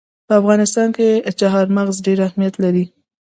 په افغانستان کې چار مغز ډېر اهمیت لري.